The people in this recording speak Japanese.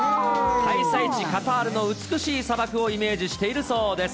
開催地、カタールの美しい砂漠をイメージしているそうです。